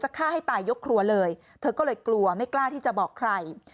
ฆ่าให้ตายยกครัวเลยเธอก็เลยกลัวไม่กล้าที่จะบอกใคร